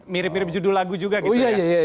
mirip mirip judul lagu juga gitu ya